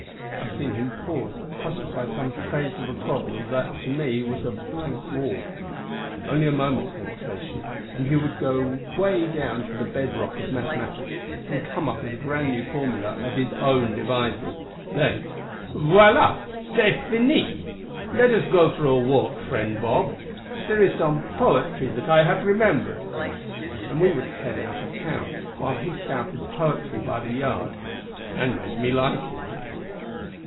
I've seen him pause, puzzled by some phase of a problem that, to me, was a blank wall. Only a moment's hesitation and he would go way down to the bed rock of mathematics and come up with a brand new formula of his own devising. Then "Voila! C'est fini! let us go for a walk, friend Bob; there is some poetry that I have remembered " And we would head out of town, while he spouted poetry by the yard and made me like it.